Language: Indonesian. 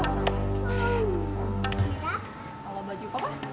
kaluh baju papa